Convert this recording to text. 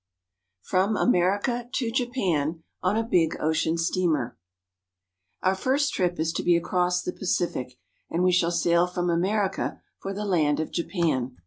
FROM AMERICA TO JAPAN ON A BIG OCEAN STEAMER OUR first trip is to be across the Pacific, and we shall sail from America for the land of Japan.